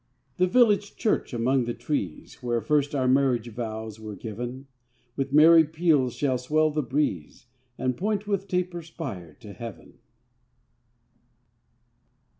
The village church, among the trees, Where first our marriage vows were giv'n, With merry peals shall swell the breeze, And point with taper spire to heav'n.